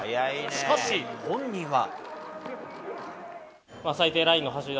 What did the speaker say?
しかし本人は。